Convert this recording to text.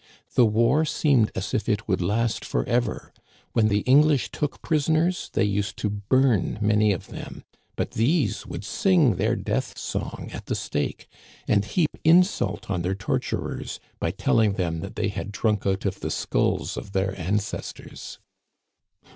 The war seemed as if it would last forever. When the English took prisoners they used to bum many of them ; but these would sing their death song Digitized by VjOOQIC A NIGHT AMONG THE SAVAGES. i%y at the stake and heap insult on their torturers by telling them that they had drunk out of the skulls of their ancestors."